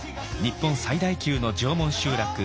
日本最大級の縄文集落